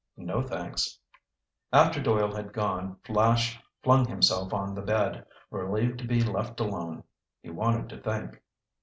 "No, thanks." After Doyle had gone, Flash flung himself on the bed, relieved to be left alone. He wanted to think.